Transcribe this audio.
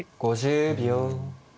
５０秒。